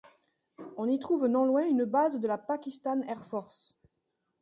On y trouve non loin une base de la Pakistan Air Force.